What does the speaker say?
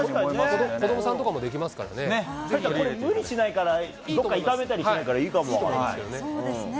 子どもさんとかもできますかでもこれ、無理しないから、どっか痛めたりしないからいいかも分からないですね。